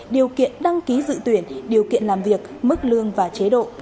điều kiện đăng ký dự tuyển điều kiện làm việc mức lương và chế độ